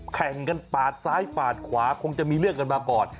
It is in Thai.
แข่งกันปาดซ้ายปาดขวาคงจะมีเรื่องกันมาก่อน